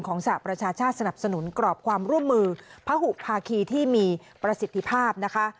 สหประชาชาติสนับสนุนกรอบความร่วมมือพระหุภาคีที่มีประสิทธิภาพนะคะ